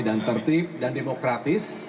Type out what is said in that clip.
dan tertib dan demokratis